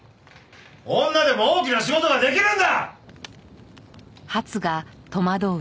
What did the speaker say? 女でも大きな仕事ができるんだ！